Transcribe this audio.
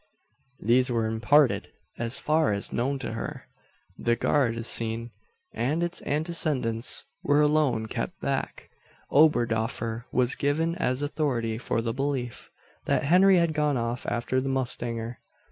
These were imparted, as far as known to her. The gardes scene and its antecedents were alone kept back. Oberdoffer was given as authority for the belief, that Henry had gone off after the mustanger.